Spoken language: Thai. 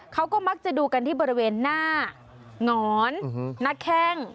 เขาก็มักจะดูกันที่บริเวณหน้าหงอนหน้าแข้ง